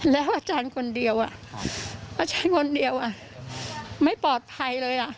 แล้วอาจารย์คนเดียวอาจารย์คนเดียวไม่ปลอดภัยเลยล่ะ